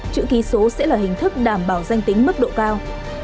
chữ ký số sẽ là hình thức đảm bảo danh tính mức độ cao